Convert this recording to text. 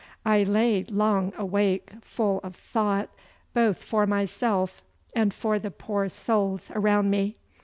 I lay long awake full of thought both for myself and for the poor souls around me.